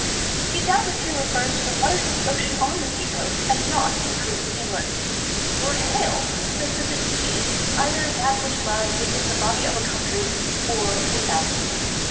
He doubtless here refers to the waters of the ocean on the sea coast, and not in creeks and inlets. Lord Hale says that the sea is either that which lies within the body of a country or without.